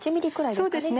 そうですね